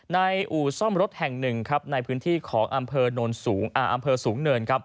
ในอู่ซ่อมรถแห่งหนึ่งในพื้นที่ของอำเภอสูงเนิน